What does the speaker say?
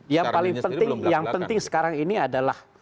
yang paling penting yang penting sekarang ini adalah